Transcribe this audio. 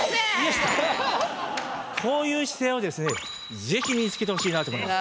こういう姿勢をですね是非身につけてほしいなと思います。